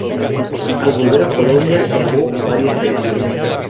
Al volver a Polonia grabó varias canciones.